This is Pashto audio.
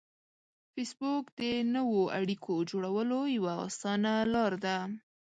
فېسبوک د نوو اړیکو جوړولو یوه اسانه لار ده